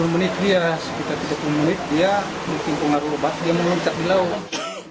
tiga puluh menit dia sekitar tiga puluh menit dia di timpung aru obat dia meluncak di laut